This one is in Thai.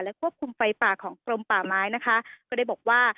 ควบคุมไฟป่าของกรมป่าไม้นะคะก็ได้บอกว่า